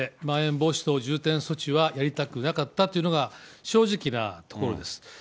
まん延防止等重点措置はやりたくなかったというのが、正直なところです。